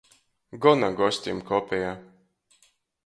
Gona gostim kopeja.